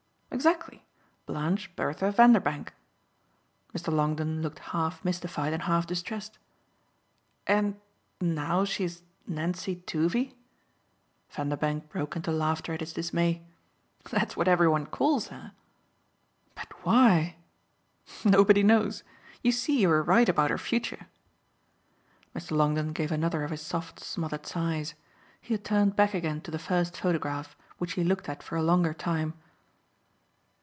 "Exactly Blanche Bertha Vanderbank." Mr. Longdon looked half mystified and half distressed. "And now she's Nancy Toovey?" Vanderbank broke into laughter at his dismay. "That's what every one calls her." "But why?" "Nobody knows. You see you were right about her future." Mr. Longdon gave another of his soft smothered sighs; he had turned back again to the first photograph, which he looked at for a longer time.